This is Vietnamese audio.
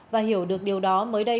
và hiểu được điều đó mới đây